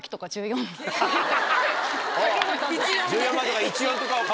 １４番とか「１」「４」とかを買うの？